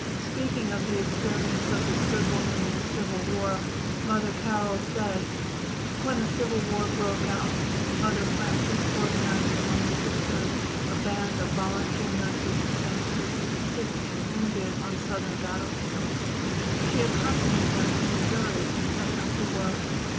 Speaking of the experience of this good woman in the Civil War Mother Carroll says: When the Civil War broke out Mother Frances organized among the Sisters a band of volunteer nurses to minister to the sick and wounded on Southern battlefields. She accompanied them to Missouri, and set them to work.